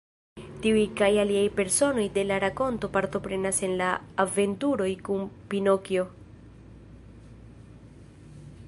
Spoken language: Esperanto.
Tiuj kaj aliaj personoj de la rakonto partoprenas en la aventuroj kun Pinokjo.